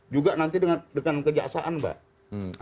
juga nanti dengan kejaksaan mbak